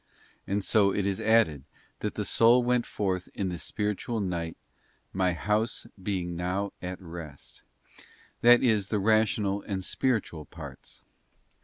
And so it is added, that the soul went forth in the spiritual night, 'my house being now at rest,' that is, the rational and spiritual parts.